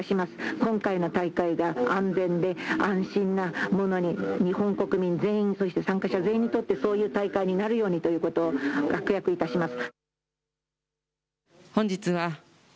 今回の大会が安全で安心なものに、日本国民全員にとって、参加者全員にとってそういう大会になるようにということ、確約いたします。